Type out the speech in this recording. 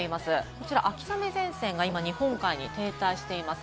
こちら秋雨前線が日本海に停滞しています。